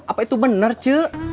apa itu benar cik